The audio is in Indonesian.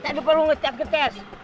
nggak ada perlu ngetes ngetes